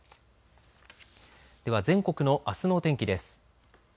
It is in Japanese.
では、全国のあすのお天気です。